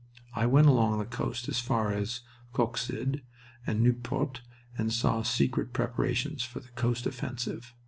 I went along the coast as far as Coxyde and Nieuport and saw secret preparations for the coast offensive.